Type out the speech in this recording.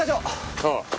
ああ。